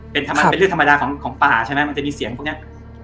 มันเป็นเรื่องธรรมดาของป่าใช่ไหมมันจะมีเสียงพวกนี้